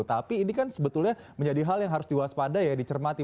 tapi ini kan sebetulnya menjadi hal yang harus diwaspadai ya dicermati